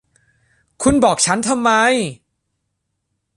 คุณบอกฉันทำไม